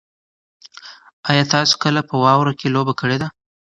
ایا تاسي کله په واوره کې لوبه کړې ده؟